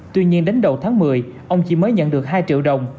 tuy nhiên đến đầu tháng một mươi ông chỉ mới nhận được hai triệu đồng